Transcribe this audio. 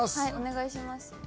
お願いします。